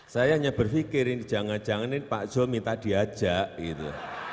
saya hanya berpikir ini jangan jangan ini pak zul minta diajak gitu